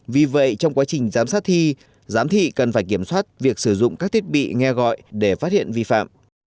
vì vậy trong quá trình giám sát thi giám thị cần phải kiểm soát việc sử dụng các thiết bị nghe gọi để phát hiện vi phạm